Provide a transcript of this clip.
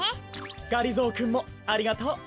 がりぞーくんもありがとう。